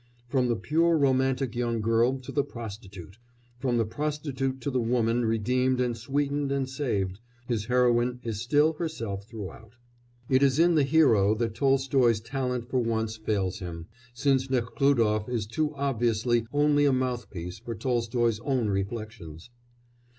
From the pure romantic young girl to the prostitute, from the prostitute to the woman redeemed and sweetened and saved his heroine is still herself throughout. It is in the hero that Tolstoy's talent for once fails him, since Nekhlúdof is too obviously only a mouthpiece for Tolstoy's own reflections.